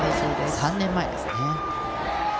３年前ですね。